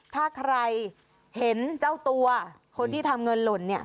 ถ้าใครเห็นเจ้าตัวคนที่ทำเงินหล่นเนี่ย